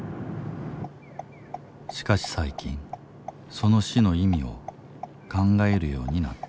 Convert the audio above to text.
しかし最近その死の意味を考えるようになった。